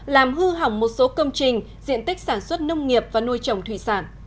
làm hư hỏng một số công trình diện tích sản xuất nông nghiệp và nuôi trồng thủy sản